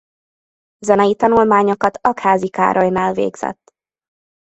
Zenei tanulmányokat Aggházy Károlynál végzett.